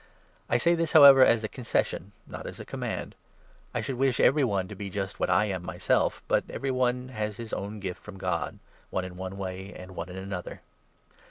I say this, however, as a concession, not 6 as a command. I should wish every one to be just what I am 7 myself. But every one has his own gift from God — one in one way, and one in another.